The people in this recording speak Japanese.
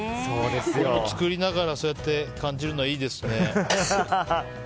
作りながらそうやって感じるのはいいですね。